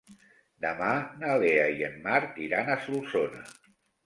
Demà na Lea i en Marc iran a Solsona.